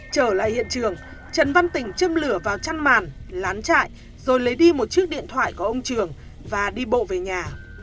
trở lại hiện trường trần văn tỉnh châm lửa vào chăn màn lán chạy rồi lấy đi một chiếc điện thoại của ông trường và đi bộ về nhà